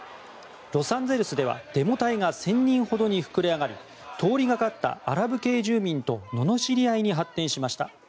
ロサンゼルスでは、デモ隊が１０００人ほどに膨れ上がり通りかかったアラブ系住民とののしり合いに発展しました。